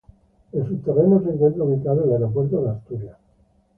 En sus terrenos se encuentra ubicado el Aeropuerto de Asturias.